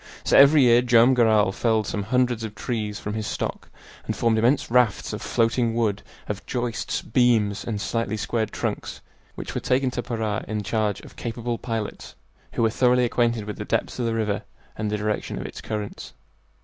So every year Joam Garral felled some hundreds of trees from his stock and formed immense rafts of floating wood, of joists, beams, and slightly squared trunks, which were taken to Para in charge of capable pilots who were thoroughly acquainted with the depths of the river and the direction of its currents.